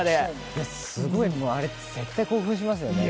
すごい、あれ絶対興奮しますよね。